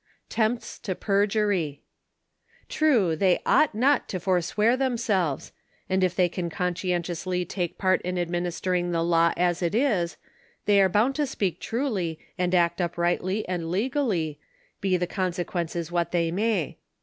TEMPTS TO PERJURY. True, they ought not to forswear themselves, and if they can conscientiously take part in administering the law as it is, they am bound to speak truly and act uprightly and legally, be the conse quences what they may.